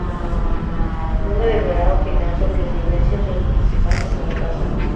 Donde deberá opinar sobre las vivencias de los participantes en la casa.